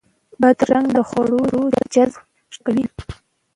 بادرنګ د خوړو جذب ښه کوي.